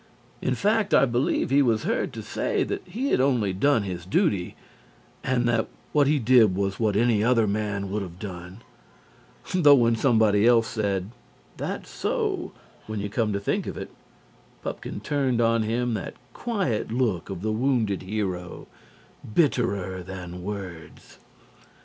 In fact, I believe he was heard to say that he had only done his duty, and that what he did was what any other man would have done: though when somebody else said: "That's so, when you come to think of it," Pupkin turned on him that quiet look of the wounded hero, bitterer than words.